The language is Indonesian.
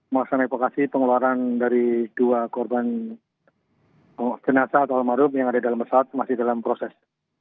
melaksanakan evakuasi pengeluaran dari dua korban jenazah atau almarhum yang ada dalam pesawat masih dalam proses